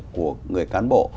của người cán bộ